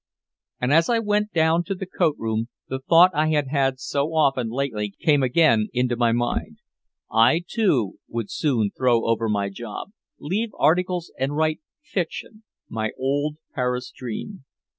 And as I went down to the coat room, the thought I had had so often lately came again into my mind. I too would soon throw over my job, leave articles and write fiction my old Paris dream.